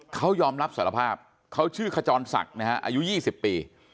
เขายอมรับสารภาพเขาชื่อขจรศักดิ์นะฮะอายุ๒๐ปี